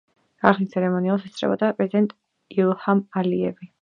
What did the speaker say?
გახსნის ცერემონიალს ესწრებოდა პრეზიდენტი ილჰამ ალიევი.